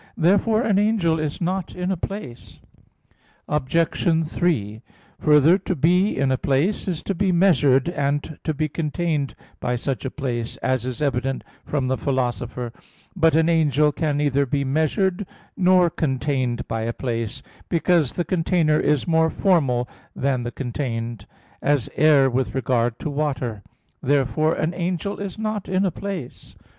Therefore an angel is not in a place. Obj. 3: Further, to be in a place is to be measured and to be contained by such place, as is evident from the Philosopher (Phys. iv, text 14,119). But an angel can neither be measured nor contained by a place, because the container is more formal than the contained; as air with regard to water (Phys. iv, text 35,49). Therefore an angel is not in a place.